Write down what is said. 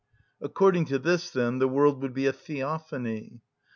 According to this, then, the world would be a theophany.